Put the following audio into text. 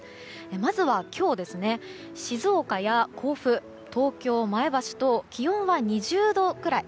まずは今日静岡や甲府、東京、前橋と気温は２０度くらい。